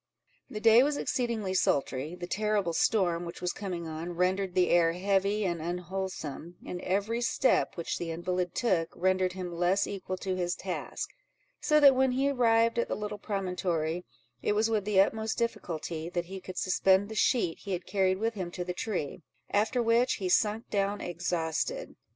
The day was exceedingly sultry; the terrible storm which was coming on, rendered the air heavy and unwholesome, and every step which the invalid took, rendered him less equal to his task; so that when he arrived at the little promontory, it was with the utmost difficulty that he could suspend the sheet he had carried with him to the tree; after which, he sunk down exhausted.